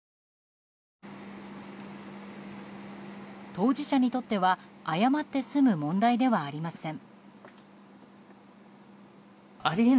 当事者にとっては謝って済む問題ではありません。